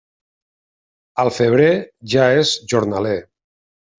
Al febrer, ja és jornaler.